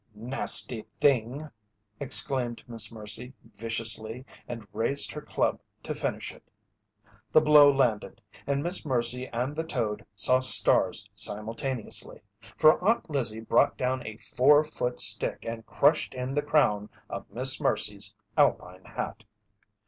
"Nasty thing!" exclaimed Miss Mercy, viciously, and raised her club to finish it. The blow landed, and Miss Mercy and the toad saw stars simultaneously, for Aunt Lizzie brought down a four foot stick and crushed in the crown of Miss Mercy's alpine hat.